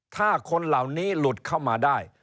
ถ้าคนเหล่านี้หลุดเข้ามาได้